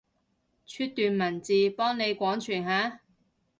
出段文字，幫你廣傳下？